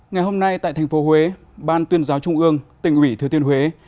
ngày hôm nay tại thành phố huế ban tuyên giáo trung ương tỉnh ủy thứ tiên huế